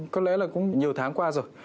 có lẽ là cũng nhiều tháng qua rồi